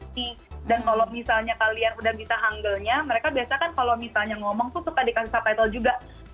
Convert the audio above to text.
dan kalau misalnya kalian udah bisa hanggelnya mereka biasanya kan kalau misalnya ngomong tuh suka dikasih subtitle juga